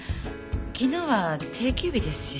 昨日は定休日ですし。